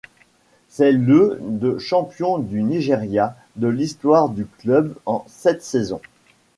C'est le de champion du Nigeria de l'histoire du club en sept saisons.